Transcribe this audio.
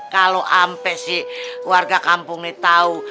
kalo ampe si warga kampung ini tau